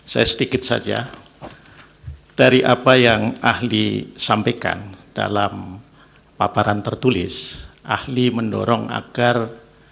saya sedikit saja dari apa yang ahli sampaikan dalam paparan tertulis ahli mendorong agar mahkamah melakukan judicial activism itu di satu sisi